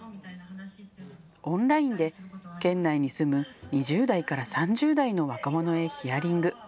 オンラインで県内に住む２０代から３０代の若者へヒアリング。